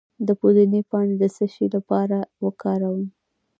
د پودینې پاڼې د څه لپاره وکاروم؟